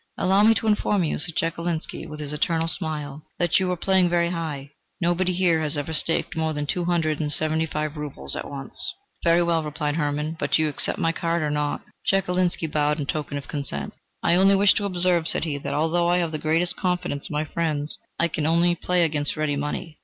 "Allow me to inform you," said Chekalinsky, with his eternal smile, "that you are playing very high; nobody here has ever staked more than two hundred and seventy five rubles at once." "Very well," replied Hermann; "but do you accept my card or not?" Chekalinsky bowed in token of consent. "I only wish to observe," said he, "that although I have the greatest confidence in my friends, I can only play against ready money.